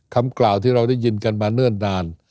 คำกล่าวที่เราได้ยินกันมาเนิ่นนาน